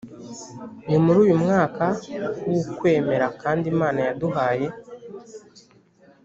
ni muri uyu mwaka w’ukwemera kandi imana yaduhaye